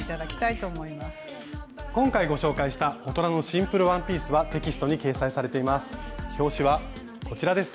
今回ご紹介した大人のシンプルワンピースはテキストに掲載されています。